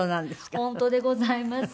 本当でございます。